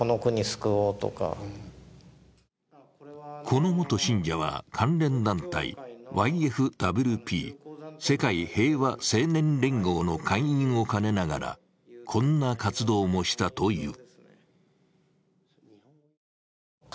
この元信者は、関連団体ＹＦＷＰ＝世界平和青年連合の会員を兼ねながら、こんな活動もしたという。